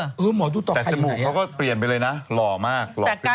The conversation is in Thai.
แต่สมุขเขาก็เปลี่ยนไปเลยนะหล่อมาก